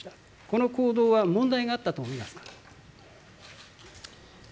この行動は問題があったと思いますか？